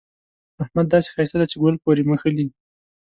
احمد داسې ښايسته دی چې ګل پورې مښلي.